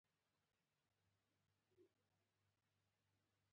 هغه له کوڼوالي سره سره بیا هم کار کوي